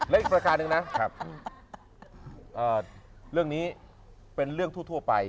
และอีกประการหนึ่งนะครับเรื่องนี้เป็นเรื่องทั่วไป